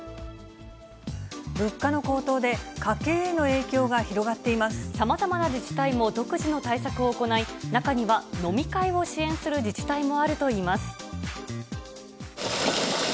物価の高騰で、さまざまな自治体も独自の対策を行い、中には飲み会を支援する自治体もあるといいます。